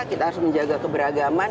kita harus menjaga keberagaman